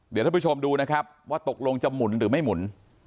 เดี๋ยวท่านผู้ชมดูนะครับว่าตกลงจะหมุนหรือไม่หมุน